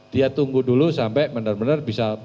dia tunggu dulu sampai benar benar bisa